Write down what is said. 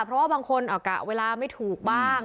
เพราะว่าบางคนกะเวลาไม่ถูกบ้าง